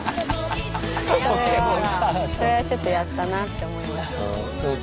それはちょっとやったなって思いましたね。